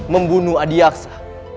membunuh adi aksa